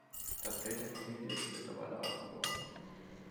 Das Geld der Familie ist auch mittlerweile aufgebraucht.